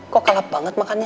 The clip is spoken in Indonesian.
kok kalap banget makannya